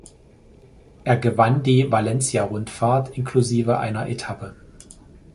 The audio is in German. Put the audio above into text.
Er gewann die Valencia-Rundfahrt inklusive einer Etappe.